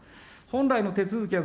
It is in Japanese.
本来の手続きは、